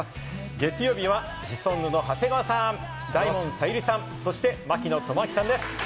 月曜日はシソンヌの長谷川さん、大門小百合さん、そして槙野智章さんです。